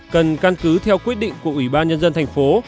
cần căn cứ theo quyết định của ủy ban nhân dân thành phố